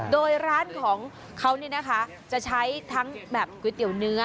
โดยร้านของเขานี่นะคะจะใช้ทั้งแบบก๋วยเตี๋ยวเนื้อ